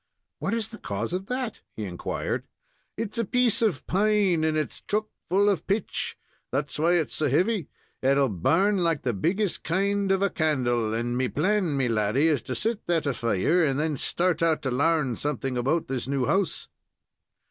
"What's the cause of that?" he inquired. "It's a piece of pine, and its chuck full of pitch. That's why it's so heavy. It'll burn like the biggest kind of a candle, and me plan, me laddy, is to set that afire, and then start out to larn something about this new house."